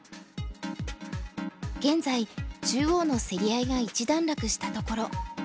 現在中央の競り合いが一段落したところ。